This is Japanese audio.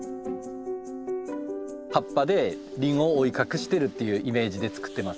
葉っぱでリンゴを覆い隠してるっていうイメージでつくってます。